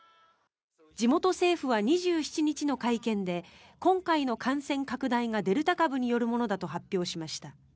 地元政府は２７日の会見で今回の感染拡大がデルタ株によるものだと発表しました。